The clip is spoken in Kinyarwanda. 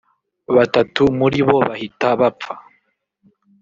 batatu muri bo bahita bapfa